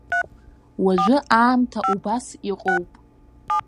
Уажәы аамҭа убас иҟоуп.